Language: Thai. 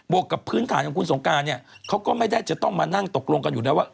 วกกับพื้นฐานของคุณสงการเนี่ยเขาก็ไม่ได้จะต้องมานั่งตกลงกันอยู่แล้วว่า